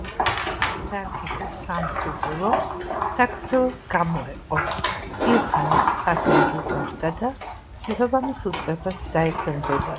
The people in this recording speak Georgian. სარგისის სამფლობელო საქართველოს გამოეყო ილხანის ხასინჯუ გახდა და შესაბამის უწყებას დაექვემდებარა.